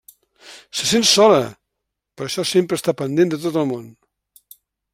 Se sent sola, per això sempre està pendent de tot el món.